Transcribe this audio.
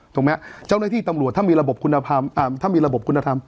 ถูกมั้ยครับเจ้าหน้าที่ตำรวจถ้ามีระบบคุณธรรม